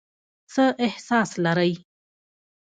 څه احساس لرئ ؟